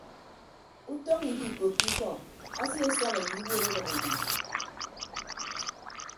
Utọñ idiikoppo ikọ asiesaña ye iwuot ọdʌk udi.